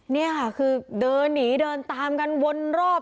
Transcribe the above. นี่ค่ะคือเดินหนีเดินตามกันวนรอบ